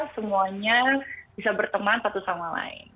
semuanya bisa berteman satu sama lain